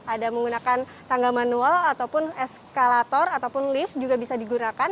ada menggunakan tangga manual ataupun eskalator ataupun lift juga bisa digunakan